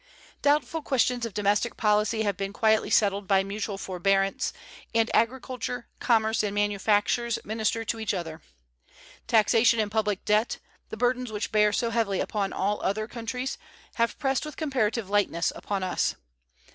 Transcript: Doubtful questions of domestic policy have been quietly settled by mutual forbearance, and agriculture, commerce, and manufactures minister to each other. Taxation and public debt, the burdens which bear so heavily upon all other countries, have pressed with comparative lightness upon us.